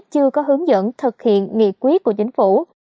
chưa có hướng dẫn thực hiện nghị quyết của chính phủ